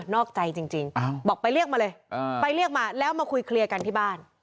นอกใจจริงบอกไปเรียกมาเลยไปเรียกมาแล้วมาคุยเคลียร์กันที่บ้าน